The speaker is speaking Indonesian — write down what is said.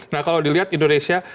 nah kalau dilihat indonesia